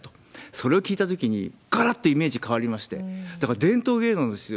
それを聞いたときに、がらっとイメージ変わりまして、だから伝統芸能ですよ。